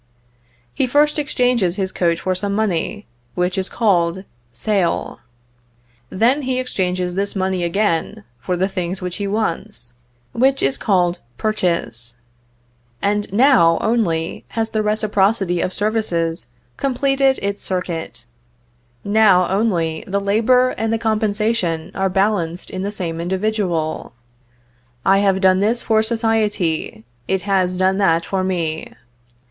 He first exchanges his coat for some money, which is called sale; then he exchanges this money again for the things which he wants, which is called purchase; and now, only, has the reciprocity of services completed its circuit; now, only, the labor and the compensation are balanced in the same individual, "I have done this for society, it has done that for me."